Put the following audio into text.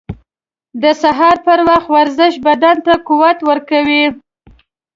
• د سهار پر وخت ورزش بدن ته قوت ورکوي.